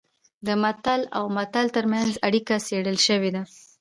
د متل او مثل ترمنځ اړیکه څېړل شوې ده